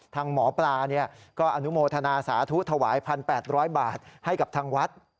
ทางหมอปลาก็อนุโมทนาสาธุถวาย๑๘๐๐บาทให้กับทางวัด